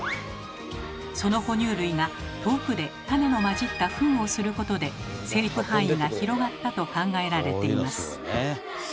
その哺乳類が遠くで種の混じったフンをすることで生育範囲が広がったと考えられています。